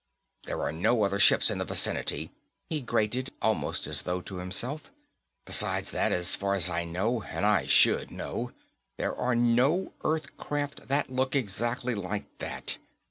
"There are no other ships in the vicinity," he grated, almost as though to himself. "Besides that, as far as I know, and I should know, there are no Earth craft that look exactly like that.